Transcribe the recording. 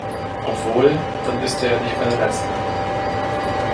Obwohl, dann ist er ja nicht mehr der Letzte.